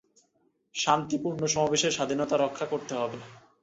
শান্তিপূর্ণ সমাবেশের স্বাধীনতা রক্ষা করতে হবে।